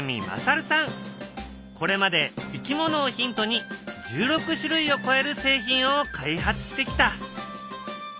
これまでいきものをヒントに１６種類を超える製品を開発してきた。